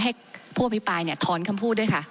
ให้ผู้อภิปรายถอนคำพูดด้วยค่ะ